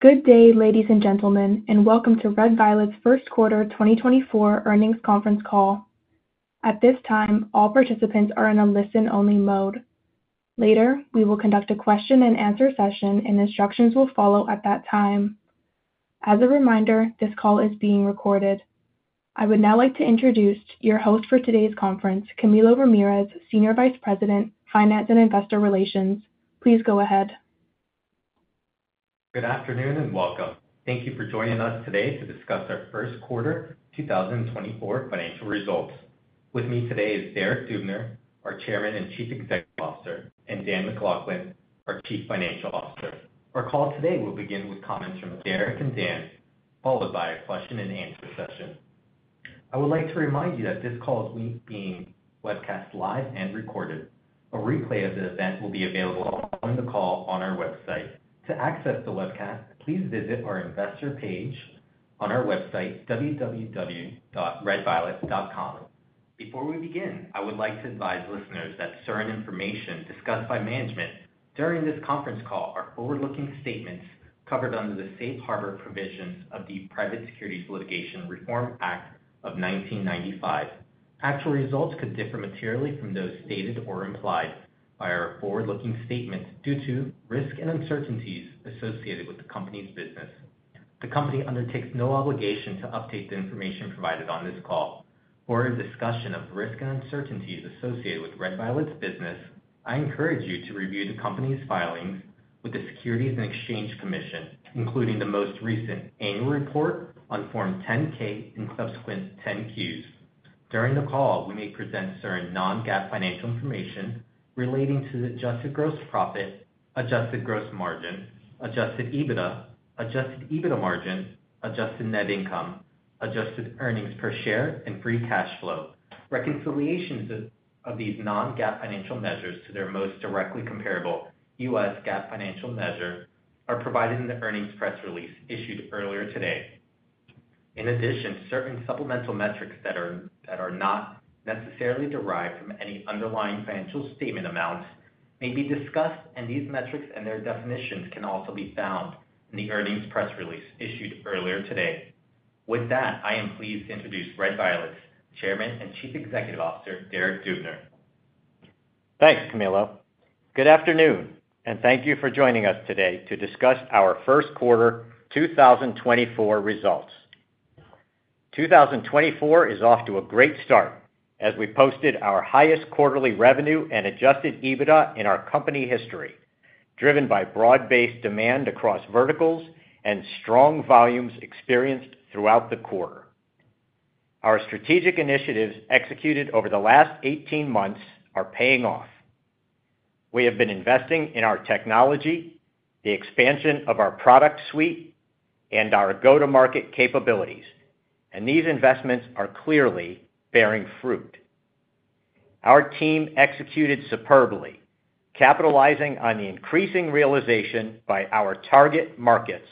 Good day, ladies and gentlemen, and welcome to Red Violet's First Quarter 2024 Earnings conference call. At this time, all participants are in a listen-only mode. Later, we will conduct a question-and-answer session, and instructions will follow at that time. As a reminder, this call is being recorded. I would now like to introduce your host for today's conference, Camilo Ramirez, Senior Vice President, Finance and Investor Relations. Please go ahead. Good afternoon and welcome. Thank you for joining us today to discuss our first quarter 2024 financial results. With me today is Derek Dubner, our Chairman and Chief Executive Officer, and Dan MacLachlan, our Chief Financial Officer. Our call today will begin with comments from Derek and Dan, followed by a question-and-answer session. I would like to remind you that this call is being webcast live and recorded. A replay of the event will be available following the call on our website. To access the webcast, please visit our investor page on our website, www.redviolet.com. Before we begin, I would like to advise listeners that certain information discussed by management during this conference call are forward-looking statements covered under the Safe Harbor provisions of the Private Securities Litigation Reform Act of 1995. Actual results could differ materially from those stated or implied by our forward-looking statements due to risk and uncertainties associated with the company's business. The company undertakes no obligation to update the information provided on this call. For a discussion of risk and uncertainties associated with Red Violet's business, I encourage you to review the company's filings with the Securities and Exchange Commission, including the most recent annual report on Form 10-K and subsequent 10-Qs. During the call, we may present certain non-GAAP financial information relating to adjusted gross profit, adjusted gross margin, Adjusted EBITDA, Adjusted EBITDA margin, adjusted net income, adjusted earnings per share, and free cash flow. Reconciliations of these non-GAAP financial measures to their most directly comparable U.S. GAAP financial measure are provided in the earnings press release issued earlier today. In addition, certain supplemental metrics that are not necessarily derived from any underlying financial statement amounts may be discussed, and these metrics and their definitions can also be found in the earnings press release issued earlier today. With that, I am pleased to introduce Red Violet's Chairman and Chief Executive Officer, Derek Dubner. Thanks, Camilo. Good afternoon, and thank you for joining us today to discuss our first quarter 2024 results. 2024 is off to a great start as we posted our highest quarterly revenue and Adjusted EBITDA in our company history, driven by broad-based demand across verticals and strong volumes experienced throughout the quarter. Our strategic initiatives executed over the last 18 months are paying off. We have been investing in our technology, the expansion of our product suite, and our go-to-market capabilities, and these investments are clearly bearing fruit. Our team executed superbly, capitalizing on the increasing realization by our target markets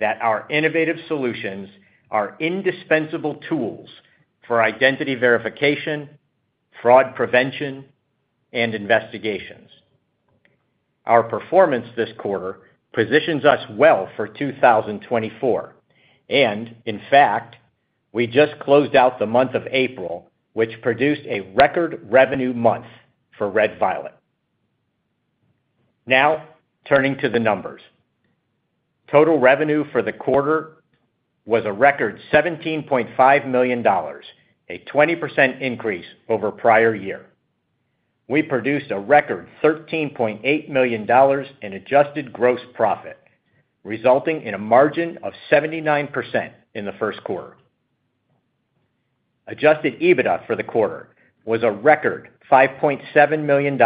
that our innovative solutions are indispensable tools for identity verification, fraud prevention, and investigations. Our performance this quarter positions us well for 2024, and in fact, we just closed out the month of April, which produced a record revenue month for Red Violet. Now, turning to the numbers. Total revenue for the quarter was a record $17.5 million, a 20% increase over prior year. We produced a record $13.8 million in adjusted gross profit, resulting in a margin of 79% in the first quarter. Adjusted EBITDA for the quarter was a record $5.7 million,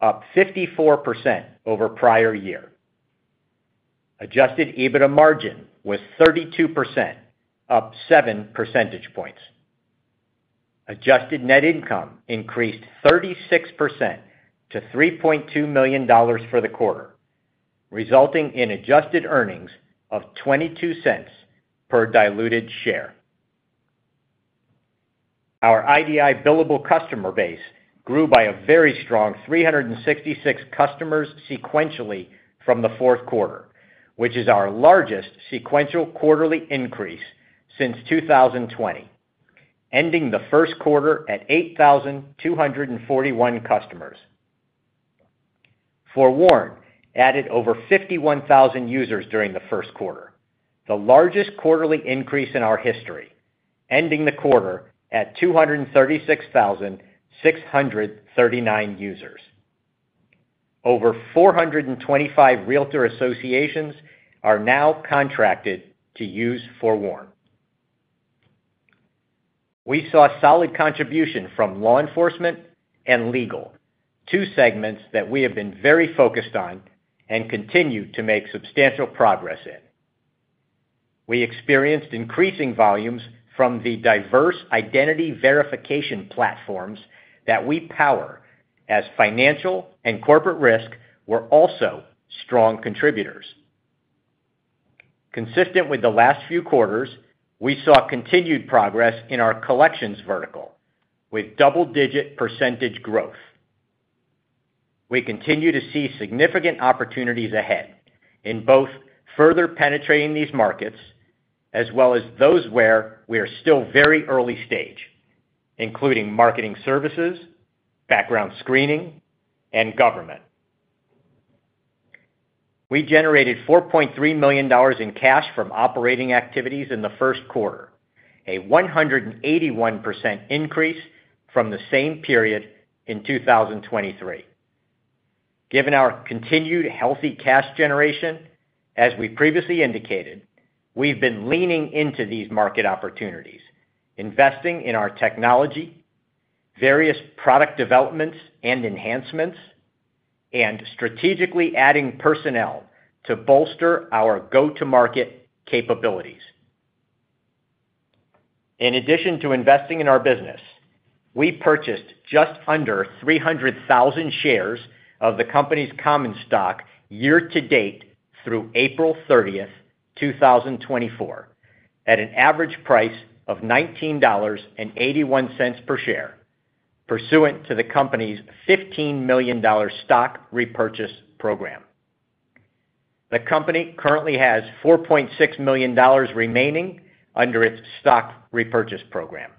up 54% over prior year. Adjusted EBITDA margin was 32%, up 7 percentage points. Adjusted net income increased 36% to $3.2 million for the quarter, resulting in adjusted earnings of $0.22 per diluted share. Our IDI billable customer base grew by a very strong 366 customers sequentially from the fourth quarter, which is our largest sequential quarterly increase since 2020, ending the first quarter at 8,241 customers. FOREWARN added over 51,000 users during the first quarter, the largest quarterly increase in our history, ending the quarter at 236,639 users. Over 425 realtor associations are now contracted to use FOREWARN. We saw solid contribution from law enforcement and legal, two segments that we have been very focused on and continue to make substantial progress in. We experienced increasing volumes from the diverse identity verification platforms that we power, as financial and corporate risk were also strong contributors. Consistent with the last few quarters, we saw continued progress in our collections vertical with double-digit percentage growth. We continue to see significant opportunities ahead in both further penetrating these markets as well as those where we are still very early stage, including marketing services, background screening, and government. We generated $4.3 million in cash from operating activities in the first quarter, a 181% increase from the same period in 2023. Given our continued healthy cash generation, as we previously indicated, we've been leaning into these market opportunities, investing in our technology, various product developments and enhancements, and strategically adding personnel to bolster our go-to-market capabilities. In addition to investing in our business, we purchased just under 300,000 shares of the company's common stock year to date through April 30th, 2024, at an average price of $19.81 per share, pursuant to the company's $15 million Stock Repurchase Program. The company currently has $4.6 million remaining under its Stock Repurchase Program.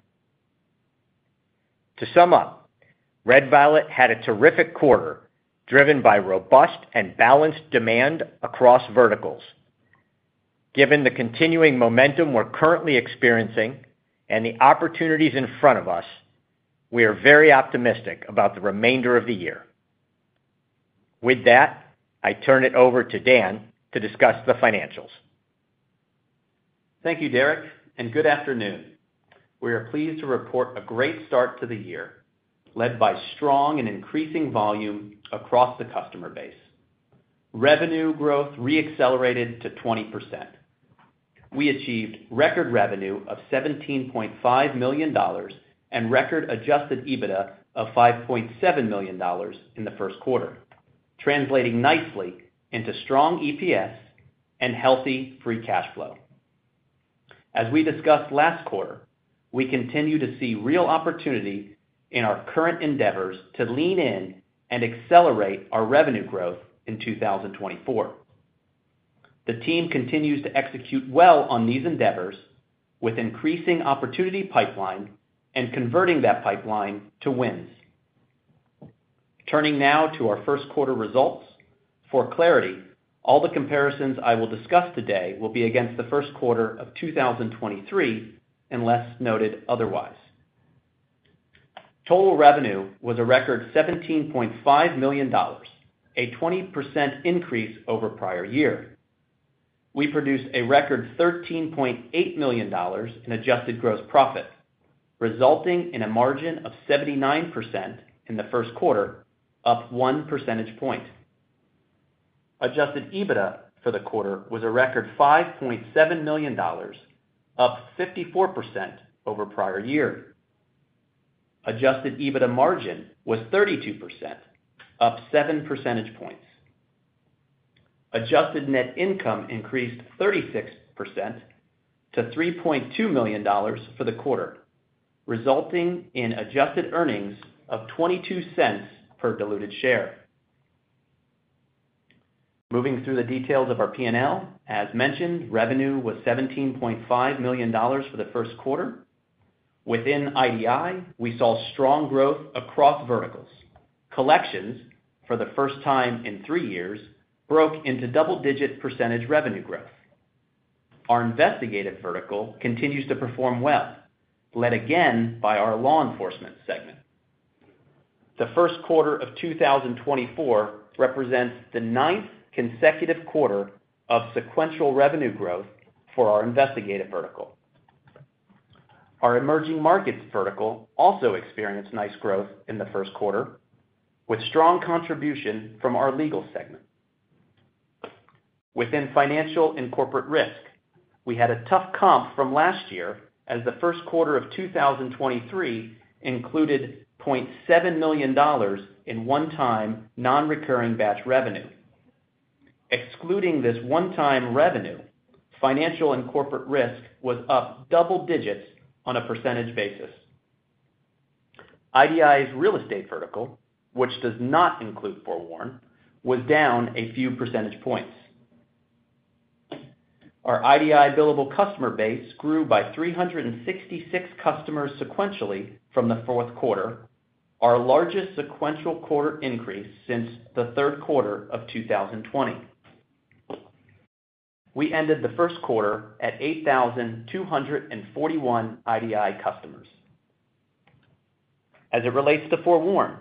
To sum up, Red Violet had a terrific quarter driven by robust and balanced demand across verticals. Given the continuing momentum we're currently experiencing and the opportunities in front of us, we are very optimistic about the remainder of the year. With that, I turn it over to Dan to discuss the financials. Thank you, Derek, and good afternoon. We are pleased to report a great start to the year led by strong and increasing volume across the customer base. Revenue growth reaccelerated to 20%. We achieved record revenue of $17.5 million and record Adjusted EBITDA of $5.7 million in the first quarter, translating nicely into strong EPS and healthy free cash flow. As we discussed last quarter, we continue to see real opportunity in our current endeavors to lean in and accelerate our revenue growth in 2024. The team continues to execute well on these endeavors, with increasing opportunity pipeline and converting that pipeline to wins. Turning now to our first quarter results. For clarity, all the comparisons I will discuss today will be against the first quarter of 2023 unless noted otherwise. Total revenue was a record $17.5 million, a 20% increase over prior year. We produced a record $13.8 million in adjusted gross profit, resulting in a margin of 79% in the first quarter, up 1 percentage point. Adjusted EBITDA for the quarter was a record $5.7 million, up 54% over prior year. Adjusted EBITDA margin was 32%, up 7 percentage points. Adjusted net income increased 36% to $3.2 million for the quarter, resulting in adjusted earnings of $0.22 per diluted share. Moving through the details of our P&L. As mentioned, revenue was $17.5 million for the first quarter. Within IDI, we saw strong growth across verticals. Collections, for the first time in three years, broke into double-digit percentage revenue growth. Our investigative vertical continues to perform well, led again by our law enforcement segment. The first quarter of 2024 represents the ninth consecutive quarter of sequential revenue growth for our investigative vertical. Our emerging markets vertical also experienced nice growth in the first quarter, with strong contribution from our legal segment. Within financial and corporate risk, we had a tough comp from last year as the first quarter of 2023 included $0.7 million in one-time non-recurring batch revenue. Excluding this one-time revenue, financial and corporate risk was up double digits on a percentage basis. IDI's real estate vertical, which does not include FOREWARN, was down a few percentage points. Our IDI billable customer base grew by 366 customers sequentially from the fourth quarter, our largest sequential quarter increase since the third quarter of 2020. We ended the first quarter at 8,241 IDI customers. As it relates to FOREWARN,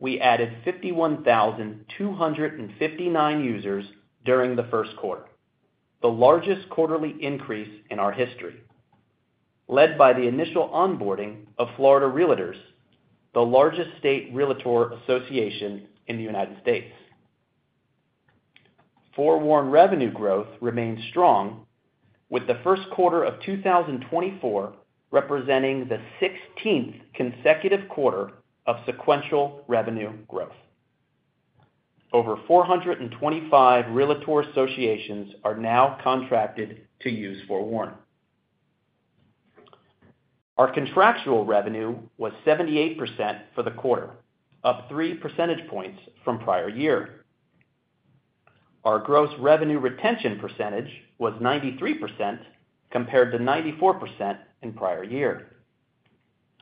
we added 51,259 users during the first quarter, the largest quarterly increase in our history, led by the initial onboarding of Florida Realtors, the largest state realtor association in the United States. FOREWARN revenue growth remained strong, with the first quarter of 2024 representing the 16th consecutive quarter of sequential revenue growth. Over 425 realtor associations are now contracted to use FOREWARN. Our contractual revenue was 78% for the quarter, up 3 percentage points from prior year. Our gross revenue retention percentage was 93% compared to 94% in prior year.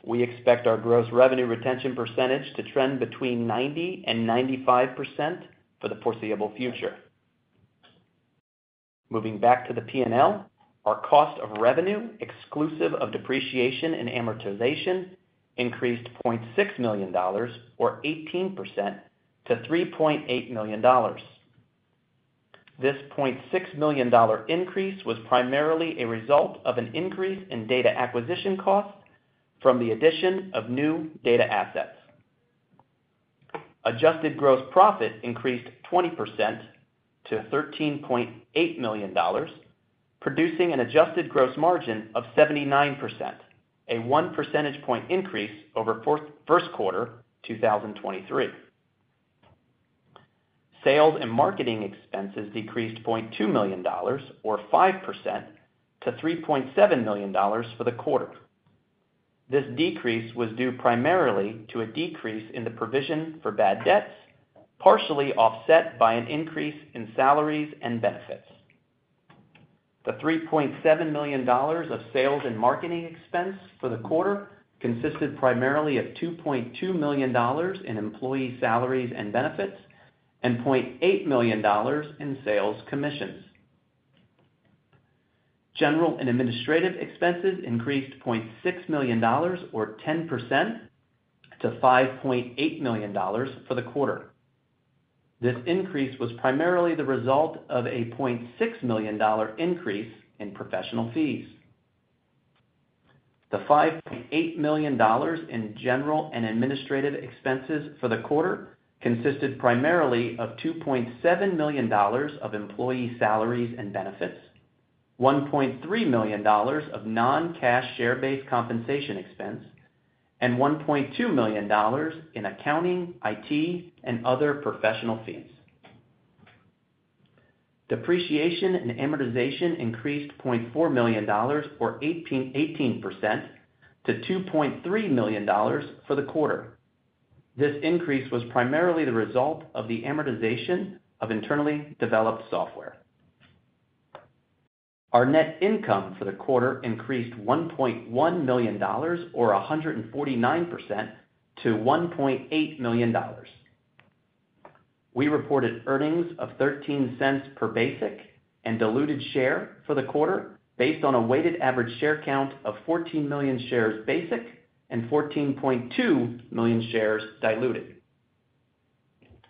We expect our gross revenue retention percentage to trend between 90%-95% for the foreseeable future. Moving back to the P&L, our cost of revenue, exclusive of depreciation and amortization, increased $0.6 million, or 18%, to $3.8 million. This $0.6 million increase was primarily a result of an increase in data acquisition costs from the addition of new data assets. Adjusted gross profit increased 20% to $13.8 million, producing an adjusted gross margin of 79%, a 1 percentage point increase over first quarter 2023. Sales and marketing expenses decreased $0.2 million, or 5%, to $3.7 million for the quarter. This decrease was due primarily to a decrease in the provision for bad debts, partially offset by an increase in salaries and benefits. The $3.7 million of sales and marketing expense for the quarter consisted primarily of $2.2 million in employee salaries and benefits and $0.8 million in sales commissions. General and administrative expenses increased $0.6 million, or 10%, to $5.8 million for the quarter. This increase was primarily the result of a $0.6 million increase in professional fees. The $5.8 million in general and administrative expenses for the quarter consisted primarily of $2.7 million of employee salaries and benefits, $1.3 million of non-cash share-based compensation expense, and $1.2 million in accounting, IT, and other professional fees. Depreciation and amortization increased $0.4 million, or 18%, to $2.3 million for the quarter. This increase was primarily the result of the amortization of internally developed software. Our net income for the quarter increased $1.1 million, or 149%, to $1.8 million. We reported earnings of $0.13 per basic and diluted share for the quarter based on a weighted average share count of 14 million shares basic and 14.2 million shares diluted.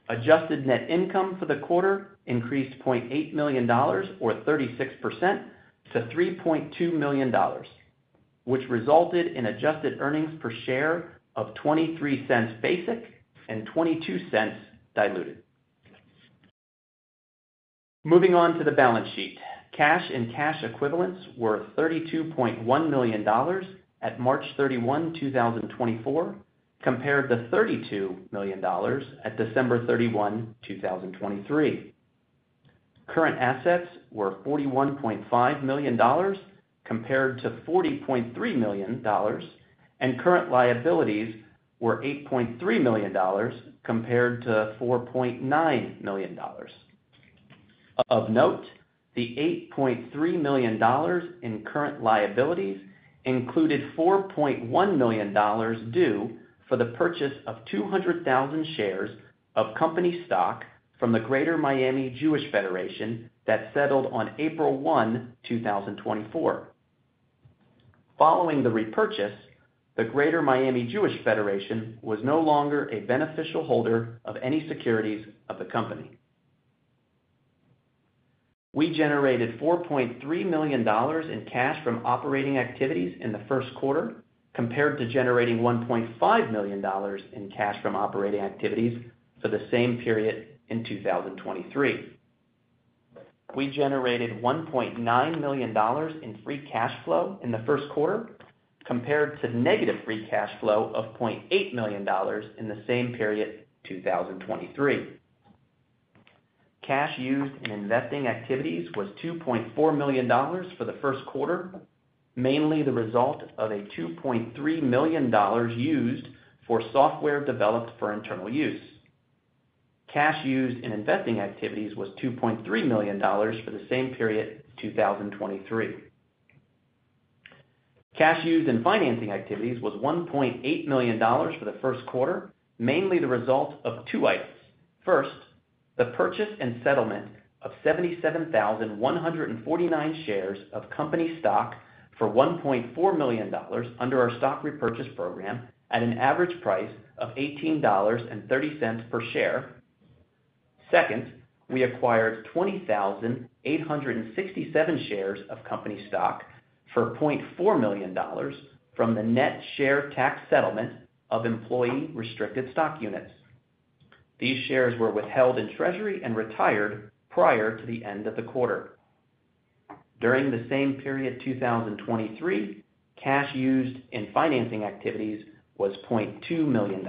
Adjusted Net Income for the quarter increased $0.8 million, or 36%, to $3.2 million, which resulted in Adjusted Earnings Per Share of $0.23 basic and $0.22 diluted. Moving on to the balance sheet. Cash and cash equivalents were $32.1 million at March 31, 2024, compared to $32 million at December 31, 2023. Current assets were $41.5 million compared to $40.3 million, and current liabilities were $8.3 million compared to $4.9 million. Of note, the $8.3 million in current liabilities included $4.1 million due for the purchase of 200,000 shares of company stock from the Greater Miami Jewish Federation that settled on April 1, 2024. Following the repurchase, the Greater Miami Jewish Federation was no longer a beneficial holder of any securities of the company. We generated $4.3 million in cash from operating activities in the first quarter, compared to generating $1.5 million in cash from operating activities for the same period in 2023. We generated $1.9 million in Free Cash Flow in the first quarter, compared to negative Free Cash Flow of $0.8 million in the same period, 2023. Cash used in investing activities was $2.4 million for the first quarter, mainly the result of a $2.3 million used for software developed for internal use. Cash used in investing activities was $2.3 million for the same period, 2023. Cash used in financing activities was $1.8 million for the first quarter, mainly the result of two items. First, the purchase and settlement of 77,149 shares of company stock for $1.4 million under our stock repurchase program at an average price of $18.30 per share. Second, we acquired 20,867 shares of company stock for $0.4 million from the net share tax settlement of employee restricted stock units. These shares were withheld in treasury and retired prior to the end of the quarter. During the same period, 2023, cash used in financing activities was $0.2 million.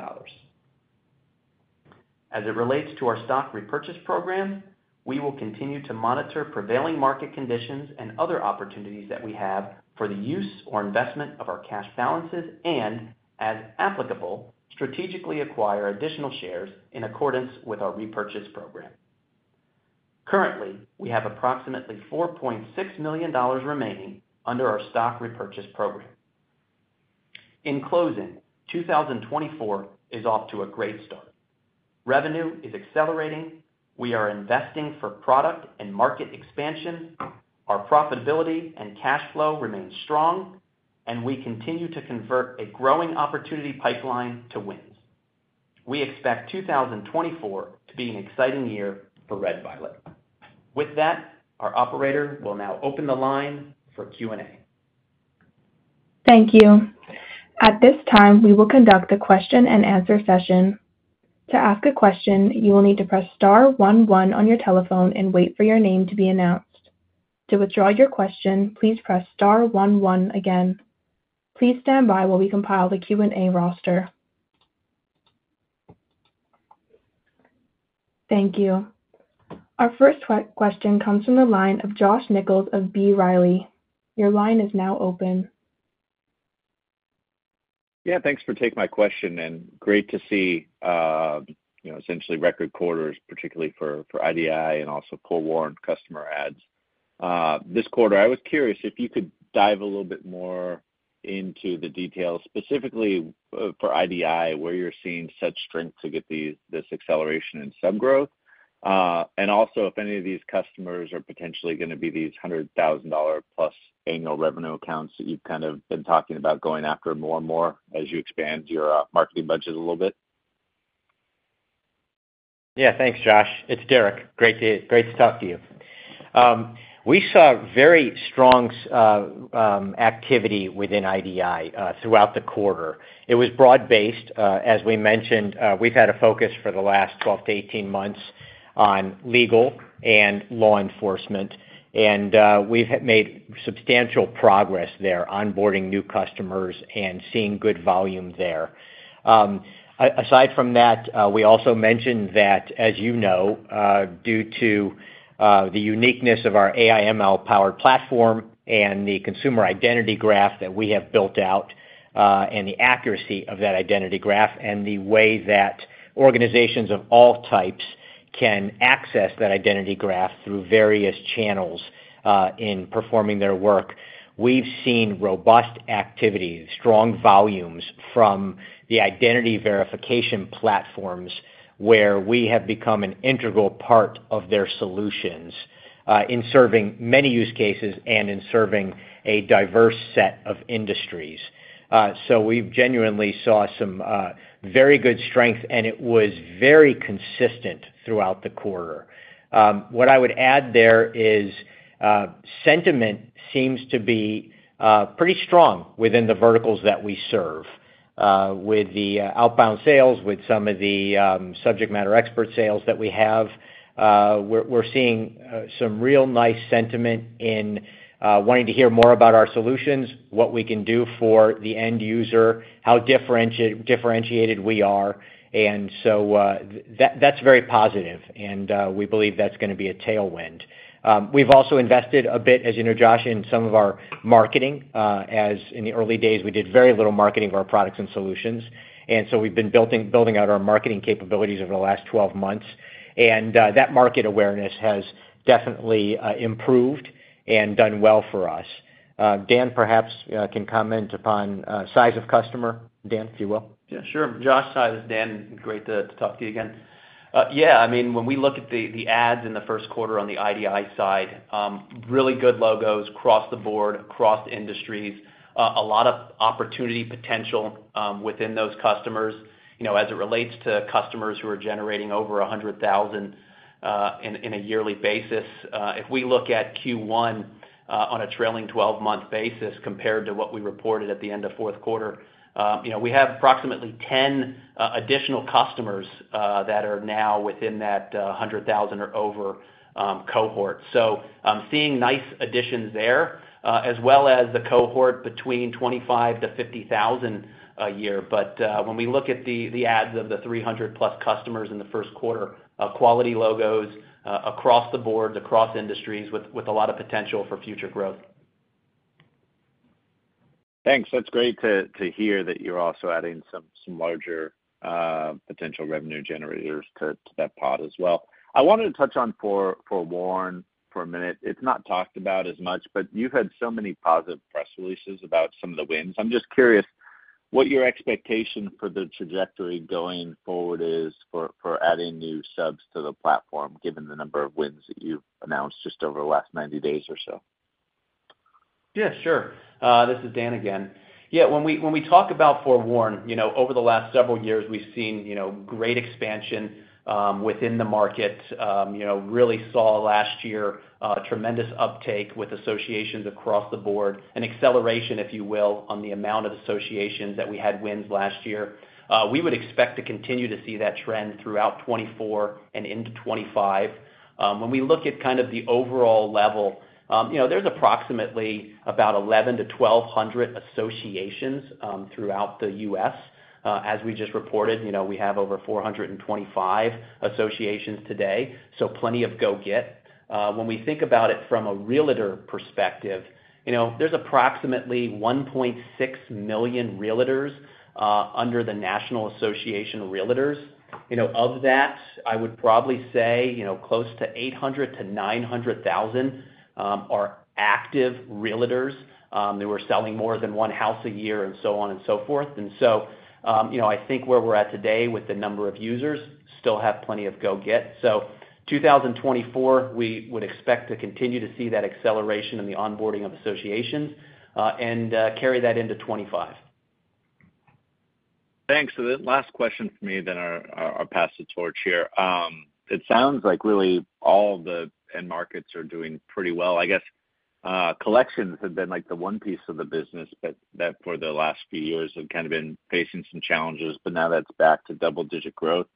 As it relates to our stock repurchase program, we will continue to monitor prevailing market conditions and other opportunities that we have for the use or investment of our cash balances and, as applicable, strategically acquire additional shares in accordance with our repurchase program. Currently, we have approximately $4.6 million remaining under our stock repurchase program. In closing, 2024 is off to a great start. Revenue is accelerating. We are investing for product and market expansion. Our profitability and cash flow remain strong, and we continue to convert a growing opportunity pipeline to wins. We expect 2024 to be an exciting year for Red Violet. With that, our operator will now open the line for Q&A. Thank you. At this time, we will conduct a question-and-answer session. To ask a question, you will need to press star 11 on your telephone and wait for your name to be announced. To withdraw your question, please press star 11 again. Please stand by while we compile the Q&A roster. Thank you. Our first question comes from the line of Josh Nichols of B Riley. Your line is now open. Yeah. Thanks for taking my question, and great to see essentially record quarters, particularly for IDI and also FOREWARN customer adds. This quarter, I was curious if you could dive a little bit more into the details, specifically for IDI, where you're seeing such strength to get this acceleration in sub growth, and also if any of these customers are potentially going to be these $100,000+ annual revenue accounts that you've kind of been talking about going after more and more as you expand your marketing budget a little bit. Yeah. Thanks, Josh. It's Derek. Great to talk to you. We saw very strong activity within IDI throughout the quarter. It was broad-based. As we mentioned, we've had a focus for the last 12-18 months on legal and law enforcement, and we've made substantial progress there, onboarding new customers and seeing good volume there. Aside from that, we also mentioned that, as you know, due to the uniqueness of our AI/ML-powered platform and the consumer identity graph that we have built out and the accuracy of that identity graph and the way that organizations of all types can access that identity graph through various channels in performing their work, we've seen robust activity, strong volumes from the identity verification platforms where we have become an integral part of their solutions in serving many use cases and in serving a diverse set of industries. We genuinely saw some very good strength, and it was very consistent throughout the quarter. What I would add there is sentiment seems to be pretty strong within the verticals that we serve. With the outbound sales, with some of the subject matter expert sales that we have, we're seeing some real nice sentiment in wanting to hear more about our solutions, what we can do for the end user, how differentiated we are. So that's very positive, and we believe that's going to be a tailwind. We've also invested a bit, as you know, Josh, in some of our marketing. In the early days, we did very little marketing of our products and solutions, so we've been building out our marketing capabilities over the last 12 months. That market awareness has definitely improved and done well for us. Dan, perhaps, can comment upon size of customer, Dan, if you will. Yeah. Sure. Josh, hi. It's Dan. Great to talk to you again. Yeah. I mean, when we look at the adds in the first quarter on the IDI side, really good logos across the board, across industries, a lot of opportunity potential within those customers. As it relates to customers who are generating over $100,000 on a yearly basis, if we look at Q1 on a trailing 12-month basis compared to what we reported at the end of fourth quarter, we have approximately 10 additional customers that are now within that $100,000 or over cohort. So seeing nice additions there, as well as the cohort between $25,000-$50,000 a year. But when we look at the adds of the 300+ customers in the first quarter, quality logos across the board, across industries with a lot of potential for future growth. Thanks. That's great to hear that you're also adding some larger potential revenue generators to that pot as well. I wanted to touch on FOREWARN for a minute. It's not talked about as much, but you've had so many positive press releases about some of the wins. I'm just curious what your expectation for the trajectory going forward is for adding new subs to the platform, given the number of wins that you've announced just over the last 90 days or so. Yeah. Sure. This is Dan again. Yeah. When we talk about FOREWARN, over the last several years, we've seen great expansion within the market, really saw last year tremendous uptake with associations across the board, an acceleration, if you will, on the amount of associations that we had wins last year. We would expect to continue to see that trend throughout 2024 and into 2025. When we look at kind of the overall level, there's approximately about 1,100-1,200 associations throughout the U.S. As we just reported, we have over 425 associations today, so plenty of go-get. When we think about it from a realtor perspective, there's approximately 1.6 million realtors under the National Association of Realtors. Of that, I would probably say close to 800,000-900,000 are active realtors. They were selling more than one house a year and so on and so forth. And so I think where we're at today with the number of users, still have plenty of go-get. So 2024, we would expect to continue to see that acceleration in the onboarding of associations and carry that into 2025. Thanks. So, the last question for me, then I'll pass the torch here. It sounds like really all the end markets are doing pretty well. I guess collections have been the one piece of the business that for the last few years have kind of been facing some challenges, but now that's back to double-digit growth.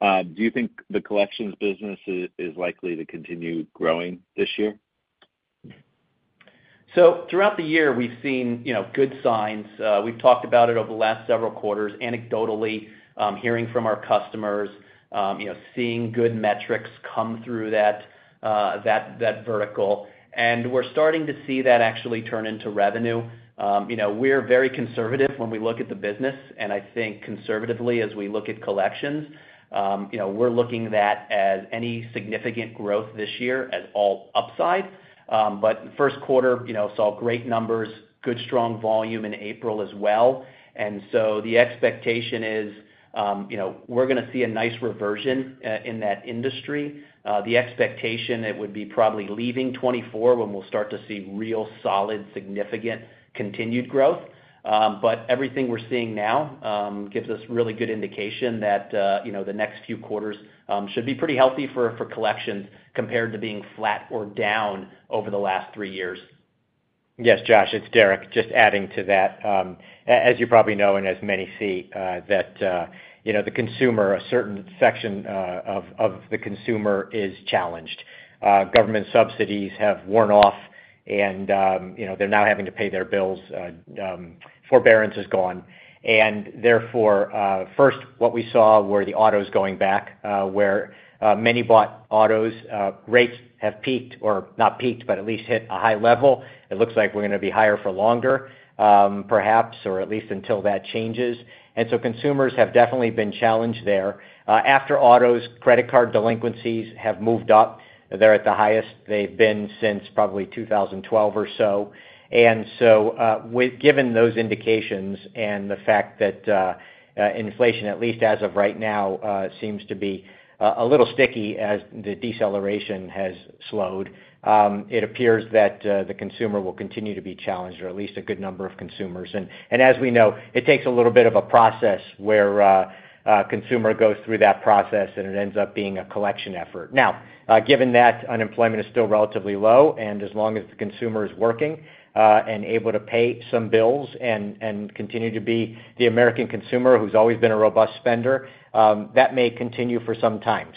Do you think the collections business is likely to continue growing this year? So throughout the year, we've seen good signs. We've talked about it over the last several quarters, anecdotally hearing from our customers, seeing good metrics come through that vertical. And we're starting to see that actually turn into revenue. We're very conservative when we look at the business, and I think conservatively, as we look at collections, we're looking at that as any significant growth this year as all upside. But first quarter saw great numbers, good strong volume in April as well. And so the expectation is we're going to see a nice reversion in that industry. The expectation, it would be probably leaving 2024 when we'll start to see real solid, significant continued growth. But everything we're seeing now gives us really good indication that the next few quarters should be pretty healthy for collections compared to being flat or down over the last three years. Yes, Josh. It's Derek just adding to that. As you probably know and as many see, that the consumer, a certain section of the consumer, is challenged. Government subsidies have worn off, and they're now having to pay their bills. Forbearance is gone. And therefore, first, what we saw were the autos going back, where many bought autos. Rates have peaked or not peaked, but at least hit a high level. It looks like we're going to be higher for longer, perhaps, or at least until that changes. And so consumers have definitely been challenged there. After autos, credit card delinquencies have moved up. They're at the highest they've been since probably 2012 or so. And so given those indications and the fact that inflation, at least as of right now, seems to be a little sticky as the deceleration has slowed, it appears that the consumer will continue to be challenged, or at least a good number of consumers. As we know, it takes a little bit of a process where a consumer goes through that process, and it ends up being a collection effort. Now, given that unemployment is still relatively low, and as long as the consumer is working and able to pay some bills and continue to be the American consumer who's always been a robust spender, that may continue for some time.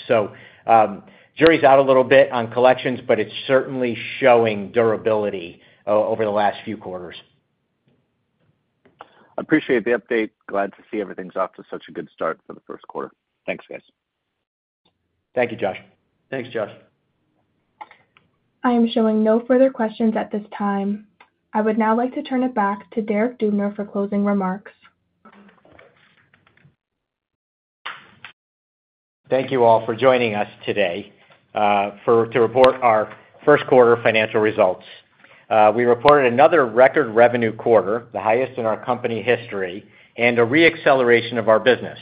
Jury's out a little bit on collections, but it's certainly showing durability over the last few quarters. Appreciate the update. Glad to see everything's off to such a good start for the first quarter. Thanks, guys. Thank you, Josh. Thanks, Josh. I am showing no further questions at this time. I would now like to turn it back to Derek Dubner for closing remarks. Thank you all for joining us today to report our first quarter financial results. We reported another record revenue quarter, the highest in our company history, and a reacceleration of our business.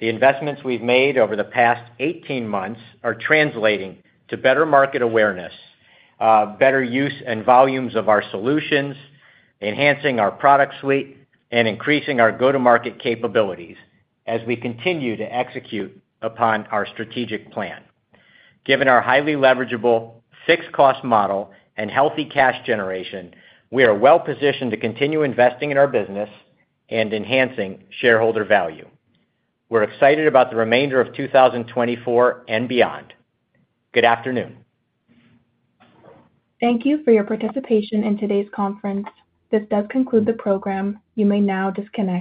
The investments we've made over the past 18 months are translating to better market awareness, better use and volumes of our solutions, enhancing our product suite, and increasing our go-to-market capabilities as we continue to execute upon our strategic plan. Given our highly leverageable fixed-cost model and healthy cash generation, we are well-positioned to continue investing in our business and enhancing shareholder value. We're excited about the remainder of 2024 and beyond. Good afternoon. Thank you for your participation in today's conference. This does conclude the program. You may now disconnect.